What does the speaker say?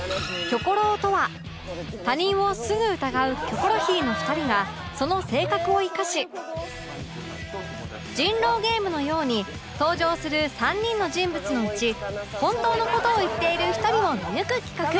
キョコ狼とは他人をすぐ疑うキョコロヒーの２人がその性格を生かし人狼ゲームのように登場する３人の人物のうち本当の事を言っている１人を見抜く企画